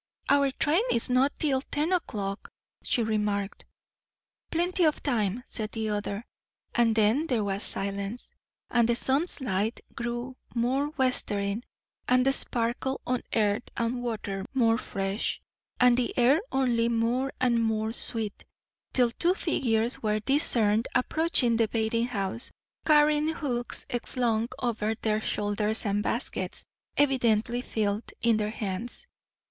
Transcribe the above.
"Our train is not till ten o'clock," she remarked. "Plenty of time," said the other. And then there was silence; and the sun's light grew more westering, and the sparkle on earth and water more fresh, and the air only more and more sweet; till two figures were discerned approaching the bathing house, carrying hoes slung over their shoulders, and baskets, evidently filled, in their hands.